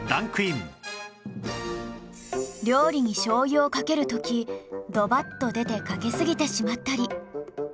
料理に醤油をかける時ドバッと出てかけすぎてしまったり